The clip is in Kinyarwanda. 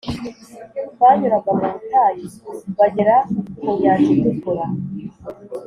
banyuraga mu butayu bagera ku Nyanja Itukura